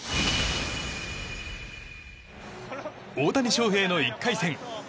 大谷翔平の１回戦。